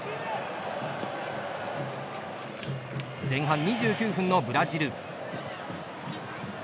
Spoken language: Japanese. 前半２９分のブラジル。